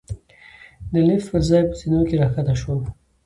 د لېفټ پر ځای په زېنو کې را کښته شوو.